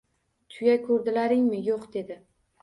— Tuya ko‘rdilaringmi-yo‘q? — dedi.